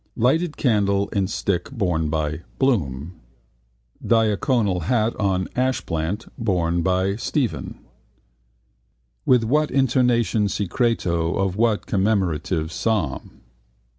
Lighted Candle in Stick borne by BLOOM Diaconal Hat on Ashplant borne by STEPHEN With what intonation secreto of what commemorative psalm?